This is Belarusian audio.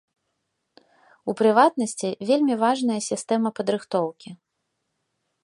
У прыватнасці, вельмі важная сістэма падрыхтоўкі.